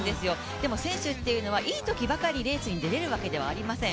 でも選手というのはいいときばかりレースに出られるわけではありません。